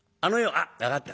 「あっ分かった。